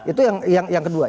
itu yang kedua